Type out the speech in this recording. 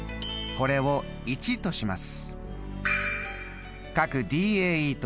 これを②とします。